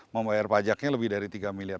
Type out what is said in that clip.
membayar pajaknya lebih dari tiga miliar